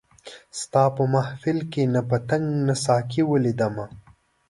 ستا په محفل کي نه پتنګ نه ساقي ولیدمه